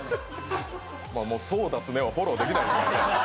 そうだすねはフォローできないですけどね。